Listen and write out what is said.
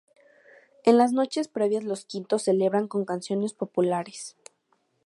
En las noches previas los quintos celebran con canciones populares.